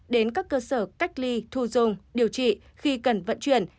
đến các cơ sở cách ly thu dung điều trị khi cần vận chuyển